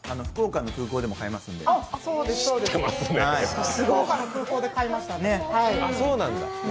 福岡の空港で買いました。